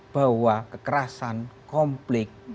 bahwa kekerasan komplik